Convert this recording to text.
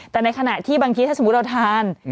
แต่ในขณะที่บางทีถ้าสมมุติเราทาน